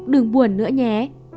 đừng buồn nữa nhé